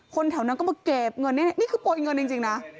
แถวนั้นก็มาเก็บเงินนี่คือโปรยเงินจริงนะ